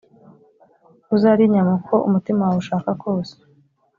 uzarye inyama uko umutima wawe ushaka kose.